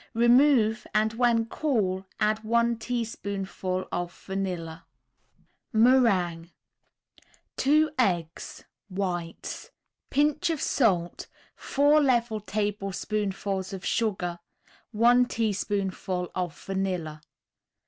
Remove, and when cool add one teaspoonful of vanilla. MERINGUE 2 eggs (whites), Pinch of salt, 4 level tablespoonfuls of sugar, 1 teaspoonful of vanilla.